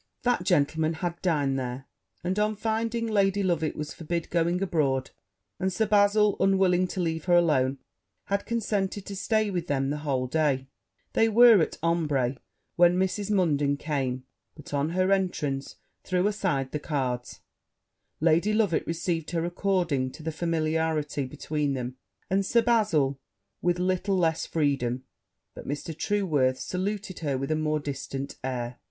That gentleman had dined there; and on finding Lady Loveit was forbid going abroad, and Sir Bazil unwilling to leave her alone, had consented to stay with them the whole day: they were at ombre when Mrs. Munden came, but on her entrance threw aside the cards; Lady Loveit received her according to the familiarity between them, and Sir Bazil with little less freedom; but Mr. Trueworth saluted her with a more distant air.